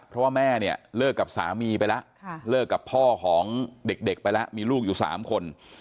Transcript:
เพราะว่าแม่เนี่ยเลิกกับสามีไปแล้วเลิกกับพ่อของเด็กไปแล้วมีลูกอยู่๓คน